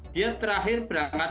dia terakhir berangkat